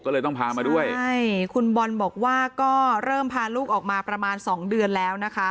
ก็เลยต้องพามาด้วยใช่คุณบอลบอกว่าก็เริ่มพาลูกออกมาประมาณสองเดือนแล้วนะคะ